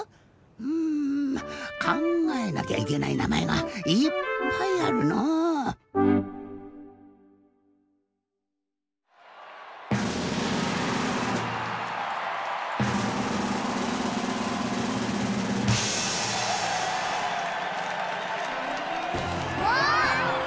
うん。かんがえなきゃいけないなまえがいっぱいあるの。わ！わ！